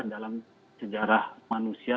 dalam sejarah manusia